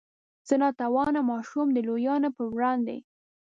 زه نا توانه ماشوم د لویانو په وړاندې.